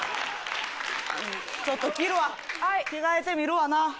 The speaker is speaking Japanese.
ちょっと着るわ着替えてみるわな。